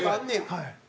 はい。